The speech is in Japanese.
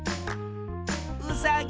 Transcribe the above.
うさぎ。